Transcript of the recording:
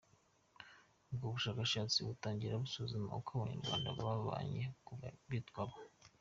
Ubwo bushakashatsi butangira busuzuma uko Abanyarwanda babanye kuva bitwa bo.